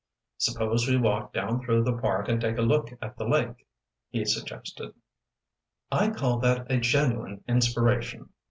"Suppose we walk down through the park and take a look at the lake," he suggested. "I call that a genuine inspiration!"